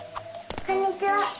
こんにちは！